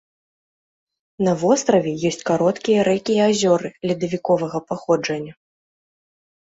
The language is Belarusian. На востраве ёсць кароткія рэкі і азёры ледавіковага паходжання.